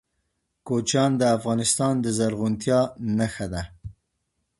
کوچیان د افغانستان د زرغونتیا نښه ده.